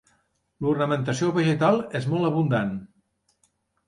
L'ornamentació vegetal és molt abundant.